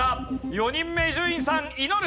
４人目伊集院さん祈る。